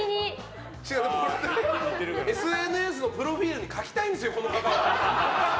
ＳＮＳのプロフィールに書きたいんですよ、この方は。